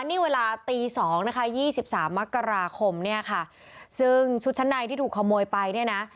นี่เวลาตีสองนะคะยี่สิบสามมกราคมเนี่ยค่ะซึ่งชุดชั้นในที่ถูกขโมยไปเนี่ยนะ